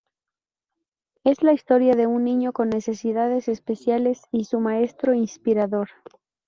Es la historia de un niño con necesidades especiales y su maestro inspirador.